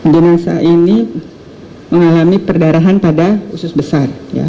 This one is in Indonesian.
jenazah ini mengalami perdarahan pada usus besar